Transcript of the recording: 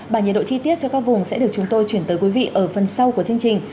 bản nhiệt độ chi tiết cho các vùng sẽ được chúng tôi chuyển tới quý vị ở phần sau của chương trình